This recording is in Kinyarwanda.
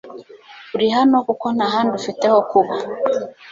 Uri hano kuko ntahandi ufite hokuba